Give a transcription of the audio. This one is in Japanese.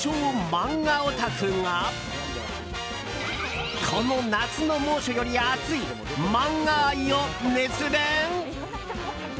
漫画オタクがこの夏の猛暑よりアツい漫画愛を熱弁？